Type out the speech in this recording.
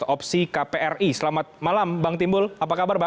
opsi kpri selamat malam bang timbul apa kabar bang